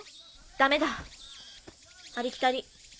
ダメだありきたり。